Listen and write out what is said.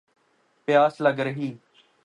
پیاس لَگ رہی